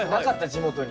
地元に。